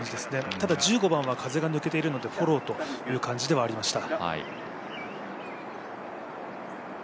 ただ、１５番は風が抜けているので、フォローという感じではありました。